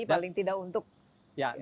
paling tidak untuk menyiapkan diri